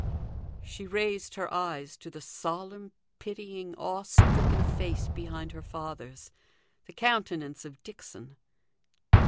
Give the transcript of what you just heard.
She raised her eyes to the solemn, pitying, awe stricken face behind her father's the countenance of Dixon.